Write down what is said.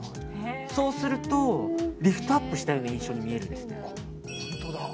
そうするとリフトアップしたような印象に見えるんです。